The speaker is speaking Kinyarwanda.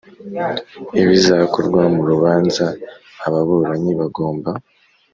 ibizakorwa mu rubanza ababuranyi bagomba